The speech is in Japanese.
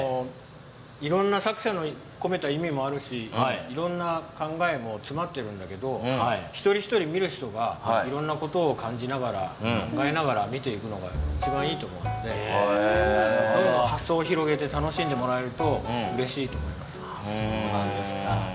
いろんな作者のこめた意味もあるしいろんな考えもつまってるんだけど一人一人見る人がいろんな事を感じながら考えながら見ていくのが一番いいと思うのでどんどん発想を広げて楽しんでもらえるとうれしいと思います。